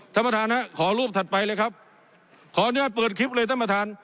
ท่านประธานฮะขอรูปถัดไปเลยครับขออนุญาตเปิดคลิปเลยท่านประธาน